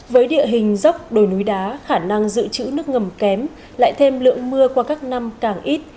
với địa hình dốc đồi núi đá khả năng giữ chữ nước ngầm kém lại thêm lượng mưa qua các năm càng ít